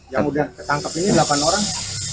yang udah ketangkep ini delapan orang